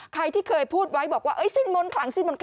ใครที่เคยพูดไว้บอกว่าสิ้นมนต์คลังสิ้น